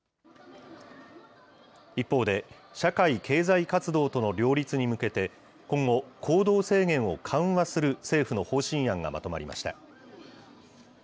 一方で、社会経済活動との両立に向けて、今後、行動制限を緩和する政府の方針案がまとまりました。